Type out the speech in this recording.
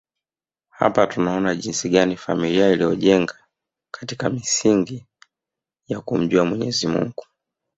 Hapa tunaona jinsi gani familia iliyojijenga katika misingi ya kumjua Mwenyezi Mungu